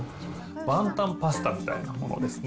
ワンタンパスタみたいなものですね。